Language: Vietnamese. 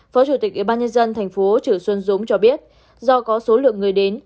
phó chủ tịch ủy ban nhân dân thành phố trữ xuân dũng cho biết do có số lượng người đến